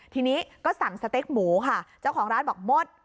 ทีนี้ก็สั่งสเต็กหมูค่ะเจ้าของร้านบอกหมด